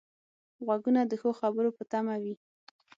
غوږونه د ښو خبرو په تمه وي